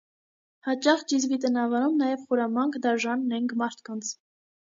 Հաճախ ճիզվիտ են անվանում նաև խորամանկ, դաժան, նենգ մարդկանց։